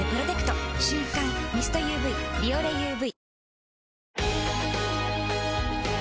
瞬感ミストＵＶ「ビオレＵＶ」